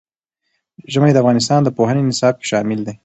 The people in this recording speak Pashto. ژمی د افغانستان د پوهنې نصاب کې شامل دي.